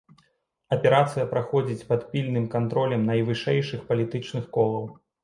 Аперацыя праходзіць пад пільным кантролем найвышэйшых палітычных колаў.